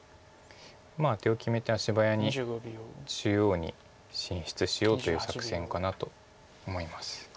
アテを決めて足早に中央に進出しようという作戦かなと思います。